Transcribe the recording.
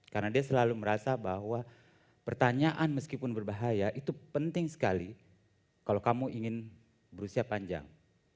karena dia selalu merasa bahwa pertanyaan meskipun berbahaya itu penting sekali kalau kamu ingin berusia panjang